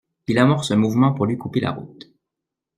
Il amorce un mouvement pour lui couper la route.